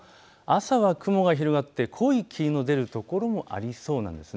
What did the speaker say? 朝は雲が広がって濃い霧の出る所もありそうなんです。